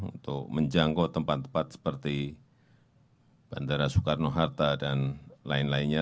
untuk menjangkau tempat tempat seperti bandara soekarno hatta dan lain lainnya